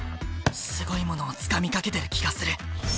すごいものをつかみかけてる気がする。